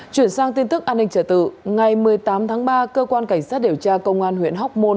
chuyển sang tin tức an ninh trả tự ngày một mươi tám tháng ba cơ quan cảnh sát điều tra công an huyện hóc môn